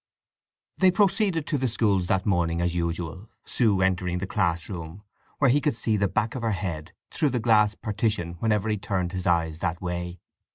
They proceeded to the schools that morning as usual, Sue entering the class room, where he could see the back of her head through the glass partition whenever he turned his eyes that way.